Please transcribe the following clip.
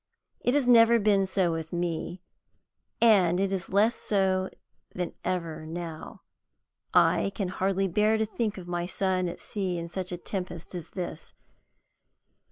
It has never been so with me, and it is less so than ever now. I can hardly bear to think of my son at sea in such a tempest as this.